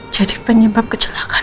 jadi penyebab kecelakaan badan